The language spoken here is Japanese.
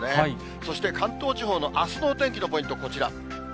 そして、関東地方のあすのお天気のポイント、こちら。